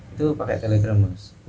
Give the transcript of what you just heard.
itu pakai telegram